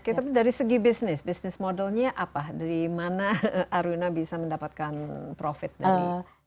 oke tapi dari segi bisnis bisnis modelnya apa dari mana aruna bisa mendapatkan profit dari